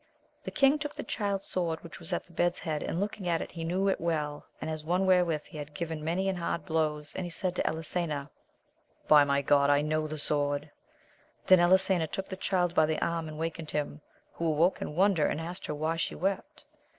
The kiiig took the Child's sword which was at the bed's head, and looking at it he knew it well, as one wherewith he had given many and hard blows; and he said to Elisena, By my God I know the sword! Then Elisena took the Child by the arm, and wakened him, who awoke in wonder, and asked her why she wept.